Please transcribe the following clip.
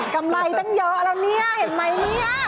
กำไรตั้งเยอะแล้วเนี่ยเห็นไหมเนี่ย